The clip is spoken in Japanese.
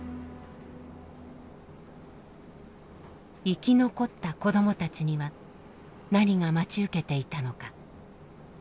生き残った子どもたちには何が待ち受けていたのか。